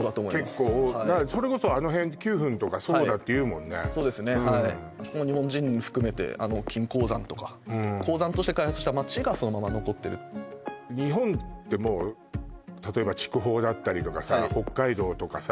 結構それこそあの辺ってそうですねはいあそこも日本人含めて金鉱山とか鉱山として開発した街がそのまま残ってる日本ってもう例えば筑豊だったりとかさ北海道とかさ